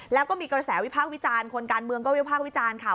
แล้วก็มีกระแสวิพากษ์วิจารณ์คนการเมืองก็วิพากษ์วิจารณ์ค่ะ